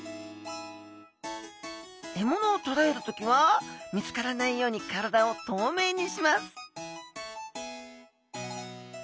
獲物をとらえる時は見つからないように体を透明にします